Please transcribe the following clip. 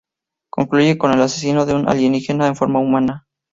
Concluye que el asesino es un alienígena en forma humana.